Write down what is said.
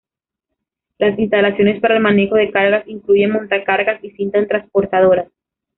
Las instalaciones para el manejo de cargas incluyen montacargas y cintas transportadoras.